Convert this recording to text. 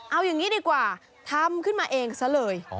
เอาอย่างนี้ดีกว่าทำขึ้นมาเองซะเลย